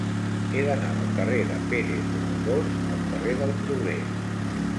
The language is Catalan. He d'anar del carrer de Pérez Galdós al carrer del Progrés.